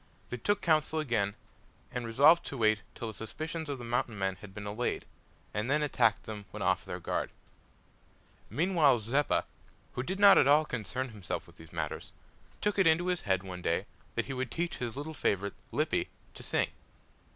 They took counsel again, and resolved to wait till the suspicions of the Mountain men had been allayed, and then attack them when off their guard. Meanwhile Zeppa, who did not at all concern himself with these matters, took it into his head one day that he would teach his little favourite, Lippy, to sing.